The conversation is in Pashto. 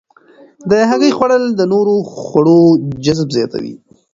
د هګۍ خوړل د نورو خوړو جذب زیاتوي.